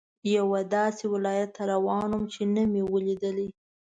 یوه داسې ولایت ته روان وم چې نه مې لیدلی.